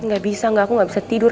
gak bisa aku gak bisa tidur